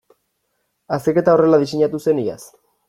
Azterketa horrela diseinatu zen iaz.